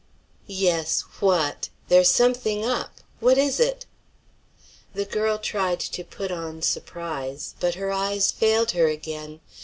"Yes, what. There's something up; what is it?" The girl tried to put on surprise; but her eyes failed her again.